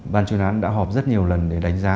ban chuyên án đã họp rất nhiều lần để đánh giá